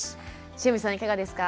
汐見さんいかがですか？